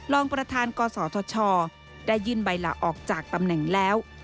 รองประธานกศธชได้ยื่นใบลาออกจากตำแหน่งแล้ว